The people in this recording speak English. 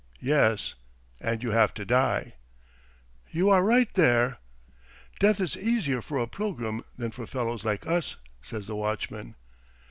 "Yes, and you have to die." "You are right there." "Death is easier for a pilgrim than for fellows like us," says the watchman.